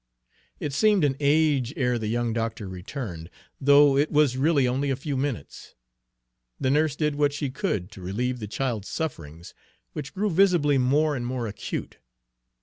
It seemed an age ere the young doctor returned, though it was really only a few minutes. The nurse did what she could to relieve the child's sufferings, which grew visibly more and more acute.